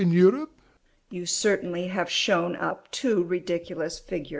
You certainly have shown up two ridiculous figures.